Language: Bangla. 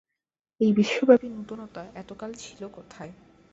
এই বিশ্বব্যাপী নূতনতা এতকাল ছিল কোথায়।